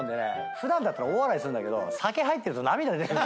普段だったら大笑いするんだけど酒入ってると涙出てくる」